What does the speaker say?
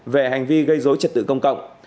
về hành vi gây dối trật tự công cộng